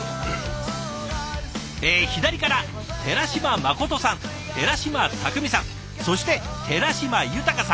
え左から寺島心さん寺島匠さんそして寺島優さん。